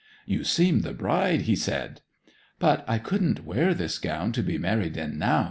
'You seem the bride!' he said. 'But I couldn't wear this gown to be married in now!'